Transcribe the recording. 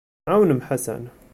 Ɛawnem Ḥasan.